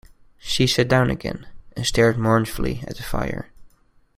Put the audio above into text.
She sat down again, and stared mournfully at the fire.